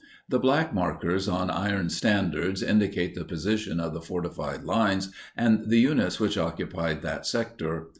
The black markers, on iron standards, indicate the position of the fortified lines and the units which occupied that sector.